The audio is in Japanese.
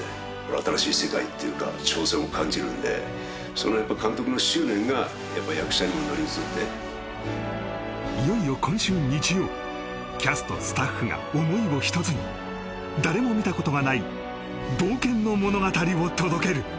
新しい世界っていうか挑戦を感じるんでそれをやっぱ監督の執念がやっぱ役者に乗り移っていよいよ今週日曜キャスト・スタッフが思いを一つに誰も見たことがない冒険の物語を届ける